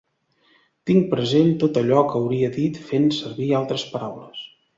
Tinc present tot allò que hauria dit fent servir altres paraules.